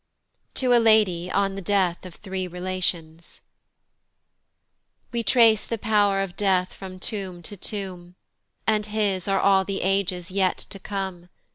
To a Lady on the Death of three Relations. WE trace the pow'r of Death from tomb to tomb, And his are all the ages yet to come.